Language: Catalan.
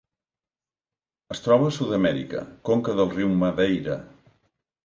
Es troba a Sud-amèrica: conca del riu Madeira.